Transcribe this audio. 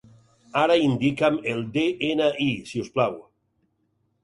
Ara indica'm el de-ena-i, si us plau.